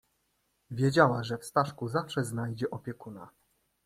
"Wiedziała, że w Staszku zawsze znajdzie opiekuna."